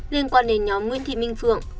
liên quan đến nhóm nguyễn thị minh phượng